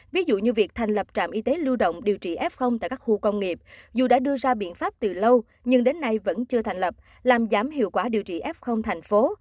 ví dụ như việc thành lập trạm y tế lưu động điều trị f tại các khu công nghiệp dù đã đưa ra biện pháp từ lâu nhưng đến nay vẫn chưa thành lập làm giảm hiệu quả điều trị f thành phố